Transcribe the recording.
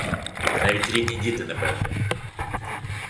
Навіть рідні діти непевні.